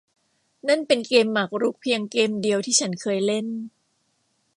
นั่นเป็นเกมหมากรุกเพียงเกมเดียวที่ฉันเคยเล่น